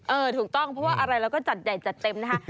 ถูกต้องเพราะว่าอะไรเราก็จัดใหญ่จัดเต็มนะคะ